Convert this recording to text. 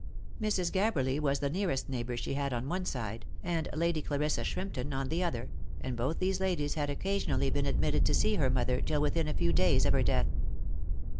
Mrs. Gabberly was the nearest neighbour she had on one side, and Lady Clarissa Shrimpton on the other, and both these ladies had occasionally been admitted to see her mother till within a few days of her death.